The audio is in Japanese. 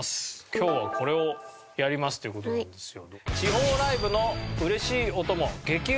今日はこれをやりますっていう事なんですよ。